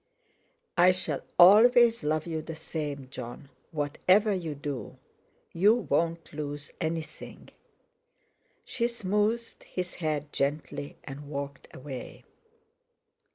"I shall always love you the same, Jon, whatever you do. You won't lose anything." She smoothed his hair gently, and walked away.